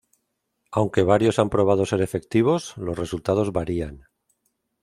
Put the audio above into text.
Aunque varios han probado ser efectivos, los resultados varían.